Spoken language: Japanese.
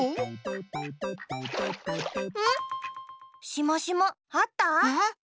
しましまあった？